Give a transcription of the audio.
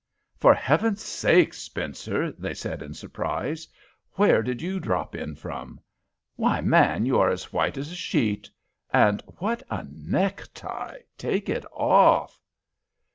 "For Heaven's sake, Spencer," they said, in surprise, "where did you drop in from? Why, man, you are as white as a sheet. And what a necktie! Take it off!"